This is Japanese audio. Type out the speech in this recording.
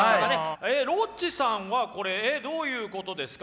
ロッチさんはこれどういうことですか？